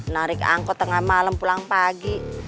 narik angkot tengah malam pulang pagi